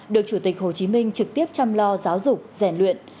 được chủ tịch hồ chí minh trực tiếp chăm lo giáo dục rèn luyện